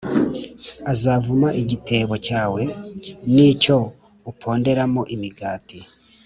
azavuma igitebo cyawe+ n’icyo uponderamo imigati